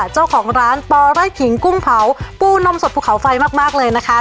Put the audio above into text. เจ้าของร้านปอไร่ขิงกุ้งเผาปูนมสดภูเขาไฟมากเลยนะคะ